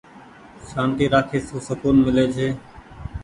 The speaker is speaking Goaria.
سآنتي رآکي سون سڪون ملي ڇي۔